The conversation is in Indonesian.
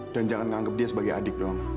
dan jangan menganggap dia sebagai adik doang